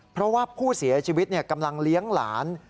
เพราะว่าผู้เสียชีวิตกำลังเลี้ยงหลาน